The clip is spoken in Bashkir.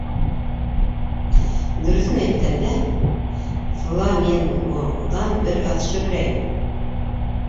—Дөрөҫөн әйткәндә, фламингоңдан бер аҙ шөрләйем.